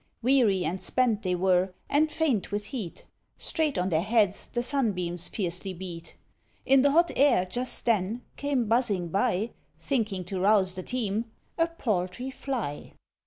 Weary and spent they were, and faint with heat; Straight on their heads the sunbeams fiercely beat. In the hot air, just then, came buzzing by, Thinking to rouse the team, a paltry Fly.